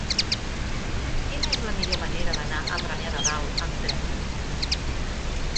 Quina és la millor manera d'anar a Premià de Dalt amb tren?